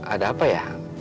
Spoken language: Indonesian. ada apa ya